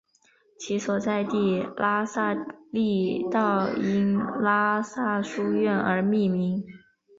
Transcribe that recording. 其所在地喇沙利道因喇沙书院而命名。